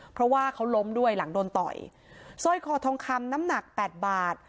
เพราะว่าเขาล้มด้วยหลังโดนต่อยสร้อยคอทองคำน้ำหนักแปดบาท